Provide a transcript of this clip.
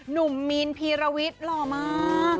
หนุ่มมีนพีรวิทย์หล่อมาก